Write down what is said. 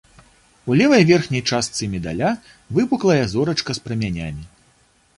У левай верхняй частцы медаля выпуклая зорачка з прамянямі.